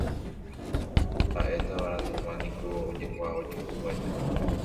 Mbaʼe tavarandugua niko ojekuaa ojepuru aja.